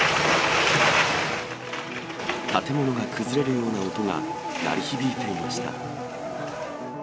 建物が崩れるような音が鳴り響いていました。